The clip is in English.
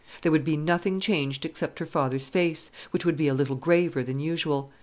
There would be nothing changed except her father's face, which would be a little graver than usual.